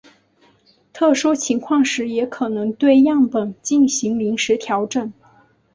特殊情况时也可能对样本进行临时调整。